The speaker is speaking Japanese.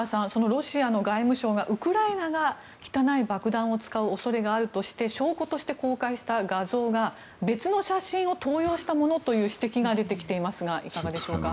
ロシアの外務省がウクライナが汚い爆弾を使う恐れがあるとして証拠として公開した画像が別の写真を盗用したものという指摘が出てきていますがいかがでしょうか。